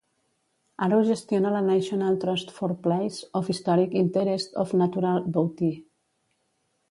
Ara ho gestiona la National Trust for Places of Historic Interest or Natural Beauty